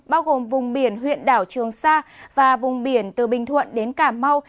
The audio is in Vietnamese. bao gồm vùng biển huyện đảo trường sa và vùng biển từ bình thuận đến cà mau